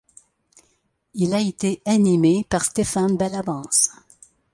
Il a été animé par Stéphane Bellavance.